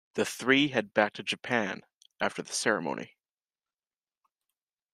The three head back to Japan after the ceremony.